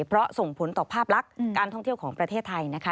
เพราะส่งผลต่อภาพลักษณ์การท่องเที่ยวของประเทศไทยนะคะ